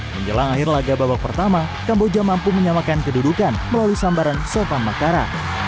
menjelang akhir laga babak pertama kamboja mampu menyamakan kedudukan melalui sambaran sofa makara